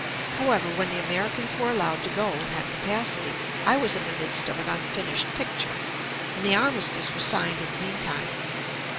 However, when the Americans were allowed to go in that capacity, I was in the midst of an unfinished picture, and the armistice was signed in the meantime.